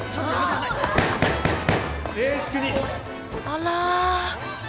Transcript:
あら。